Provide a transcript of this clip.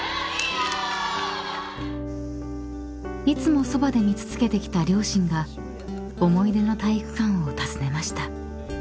［いつもそばで見続けてきた両親が思い出の体育館を訪ねました］